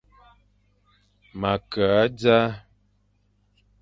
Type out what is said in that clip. Ma ke a dzaʼa.